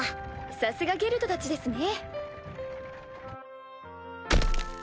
さすがゲルドたちですね。